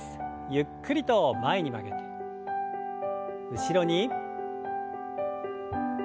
ゆっくりと前に曲げて後ろに。